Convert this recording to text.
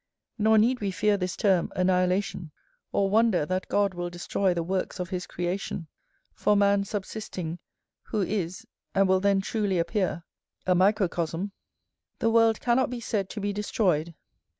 Nor need we fear this term, annihilation, or wonder that God will destroy the works of his creation: for man subsisting, who is, and will then truly appear, a microcosm, the world cannot be said to be destroyed.